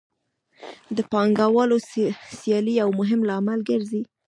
د پانګوالو سیالي یو مهم لامل ګرځي